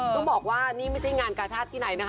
ต้องบอกว่านี่ไม่ใช่งานกาชาติที่ไหนนะคะ